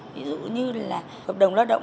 ví dụ như là hợp đồng lao động